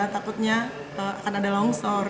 takutnya akan ada longsor